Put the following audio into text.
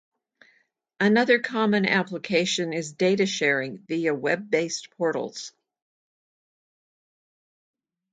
Another common application is Data sharing via Web based portals.